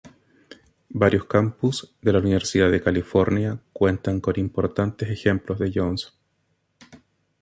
Varios campus de la Universidad de California cuentan con importantes ejemplos de Jones.